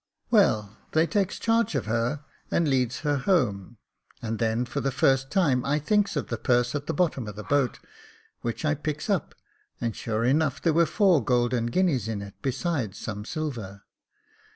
Well, Jacob Faithful 209 they takes charge of her, and leads her home ; and then for the first time I thinks of the purse at the bottom of the boat, which I picks up, and sure enough there were four golden guineas in it, beside some silver.